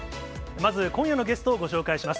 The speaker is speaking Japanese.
まず今夜のゲストをご紹介します。